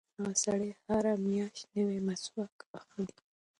هغه سړی هره میاشت نوی مسواک اخلي.